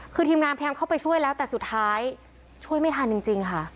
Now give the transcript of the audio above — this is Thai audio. คือทีมงานพยายามเข้าไปช่วยแล้วแต่สุดท้ายช่วยไม่ทันจริงค่ะ